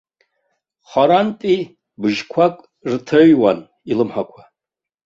Харантәи бжьқәак рҭаҩуан илымҳақәа.